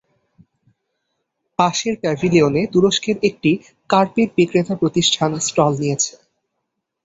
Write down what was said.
পাশের প্যাভিলিয়নে তুরস্কের একটি কার্পেট বিক্রেতা প্রতিষ্ঠান স্টল নিয়েছে।